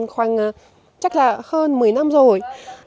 khoảng chắc là hơn một mươi năm rồi